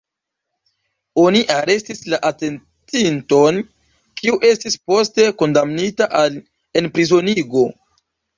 Oni arestis la atencinton, kiu estis poste kondamnita al enprizonigo.